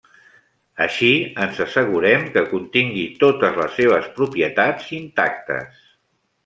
Així ens assegurem que contingui totes les seves propietats intactes.